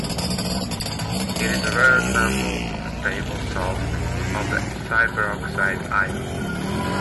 It is a rare example of a stable salt of the superoxide ion.